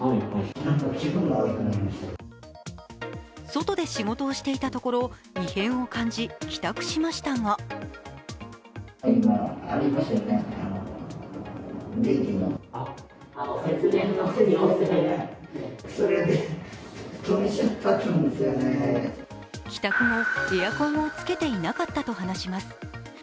外で仕事をしていたところ異変を感じ、帰宅しましたが帰宅後、エアコンをつけていなかったと話します。